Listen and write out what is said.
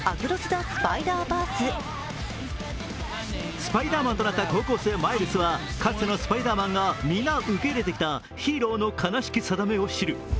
スパイダーマンとなった高校生マイルスはかつてのスパイダーマンが皆受け入れてきたヒーローの悲しき運命を知る。